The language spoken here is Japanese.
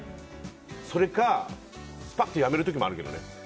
それか、スパッとやめる時もあるけどね。